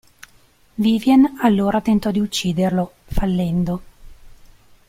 Vivien allora tentò di ucciderlo, fallendo.